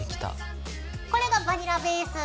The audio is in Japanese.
これがバニラベース。